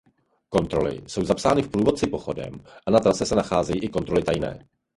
Kontroly jsou zapsány v průvodci pochodem a na trase se nacházejí i kontroly tajné.